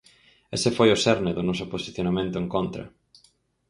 Ese foi o cerne do noso posicionamento en contra.